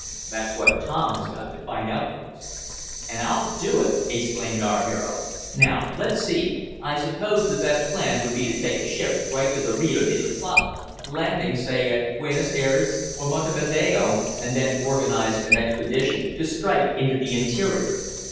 That's what Tom has got to find out for us." "And I'll do it!" exclaimed our hero. "Now let's see. I suppose the best plan would be to take a ship right to the Rio de la Plata, landing say at Buenos Ayres or Montevideo, and then organize an expedition to strike into the interior."